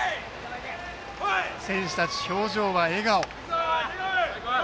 選手たち、表情は笑顔。